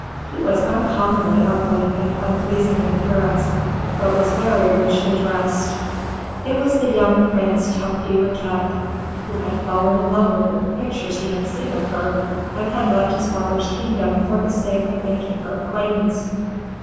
He was uncommonly ugly and unpleasing in appearance, but was very richly dressed. It was the young Prince Tufty Riquet, who had fallen in love with the pictures he had seen of her, and had left his father's kingdom for the sake of making her acquaintance.